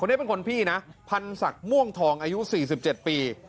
นี้เป็นคนพี่นะพันศักดิ์ม่วงทองอายุ๔๗ปี